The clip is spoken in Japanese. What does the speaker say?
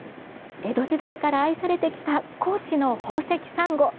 江戸時代から愛されてきた高知の宝石サンゴ。